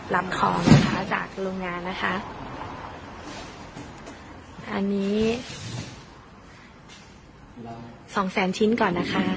ลำคลองนะคะจากโรงงานนะคะอันนี้สองแสนชิ้นก่อนนะคะ